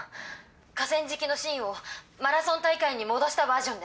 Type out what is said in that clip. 河川敷のシーンをマラソン大会に戻したバージョンです。